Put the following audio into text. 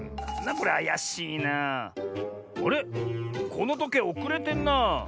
このとけいおくれてんなあ。